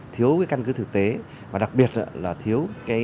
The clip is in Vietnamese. thiếu cái căn cứ thực tế